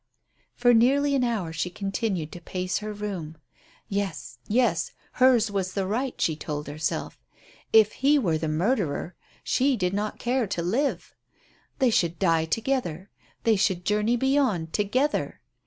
For nearly an hour she continued to pace her room. Yes, yes! Hers was the right, she told herself. If he were the murderer she did not care to live. They should die together; they should journey beyond together.